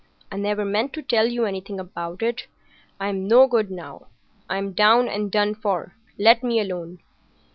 I never meant to tell you anything about it. I'm no good now. I'm down and done for. Let me alone!"